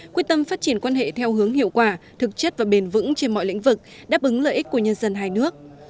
quyết tâm phát triển quan hệ theo hướng hiệu quả thực chất và bền vững trên mọi lĩnh vực đáp ứng lợi ích của nhân dân hai nước